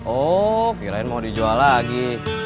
oh kirain mau dijual lagi